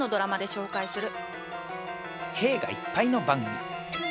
「へえ」がいっぱいの番組。